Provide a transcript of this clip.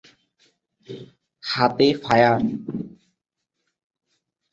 হাতে ফায়ার।